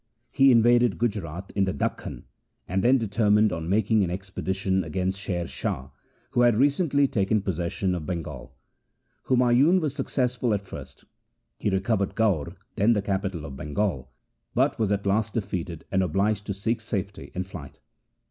He invaded Gujrat in the Dakhan, and then determined on making an expedition against Sher Shah, who had recently taken posses sion of Bengal. Humayun was successful at first. He recovered Gaur, then the capital of Bengal, but was at last defeated and obliged to seek safety in flight.